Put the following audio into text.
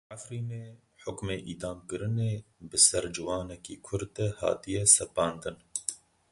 Li Efrînê hukmê îdamkirinê bi ser ciwanekî Kurd de hatiye sepandin.